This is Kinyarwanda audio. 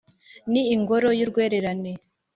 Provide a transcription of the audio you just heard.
ni ingoro y’urwererane